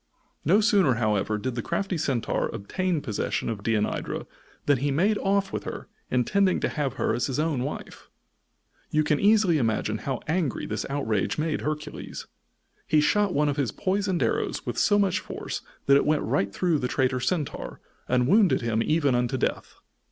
No sooner, however, did the crafty Centaur obtain possession of Deianira than he made off with her, intending to have her as his own wife. You can easily imagine how angry this outrage made Hercules. He shot one of his poisoned arrows with so much force that it went right through the traitor Centaur, and wounded him even unto death.